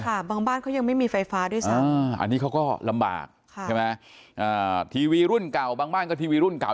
บางบ้านเขายังไม่มีไฟฟ้าด้วยซ้ำอันนี้เขาก็ลำบากใช่ไหมทีวีรุ่นเก่าบางบ้านก็ทีวีรุ่นเก่า